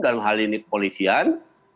dalam hal ini kepolisian